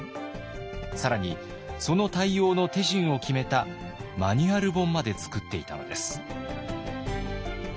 更にその対応の手順を決めたマニュアル本まで作っていたのです。